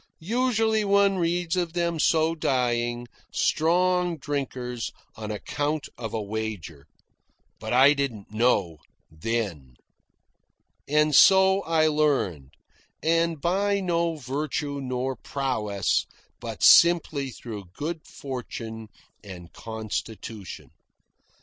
Usually one reads of them so dying, strong drinkers, on account of a wager. But I didn't know then. And so I learned; and by no virtue nor prowess, but simply through good fortune and constitution.